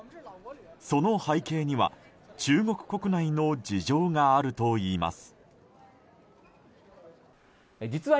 その背景には中国国内の事情があるといいます。